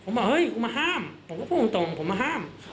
ผมบอกเฮ้ยกูมาห้ามผมก็พูดตรงผมมาห้าม